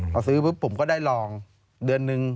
พอซื้อปุ๊บผมก็ได้ลองเดือนนึง